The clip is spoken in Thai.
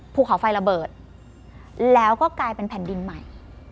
ภูเขาไฟระเบิดแล้วก็กลายเป็นแผ่นดินใหม่